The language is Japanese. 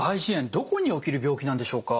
どこに起きる病気なんでしょうか？